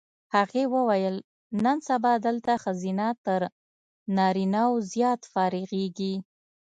هغې وویل نن سبا دلته ښځینه تر نارینه و زیات فارغېږي.